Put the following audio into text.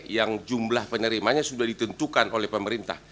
yang jumlah penerimanya sudah ditentukan oleh pemerintah